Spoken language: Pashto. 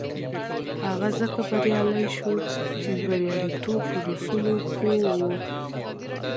هغه ځکه بريالی شو چې د برياليتوب پر اصولو پوه و.